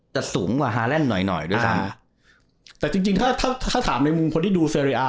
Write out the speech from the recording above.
จะสูงกว่าฮารันด์หน่อยหน่อยด้วยซะอ่าแต่จริงจริงถ้าถ้าถ้าถามในมุมคนที่ดู